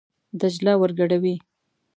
دجله ور ګډوي.